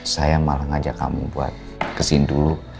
saya malah ngajak kamu buat kesini dulu